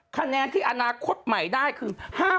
คะแนนที่อนาคตใหม่ได้คือ๕๐